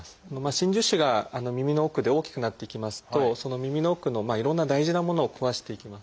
真珠腫が耳の奥で大きくなっていきますとその耳の奥のいろんな大事なものを壊していきます。